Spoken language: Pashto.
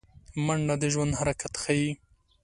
منډه د ژوند حرکت ښيي